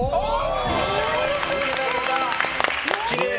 きれい！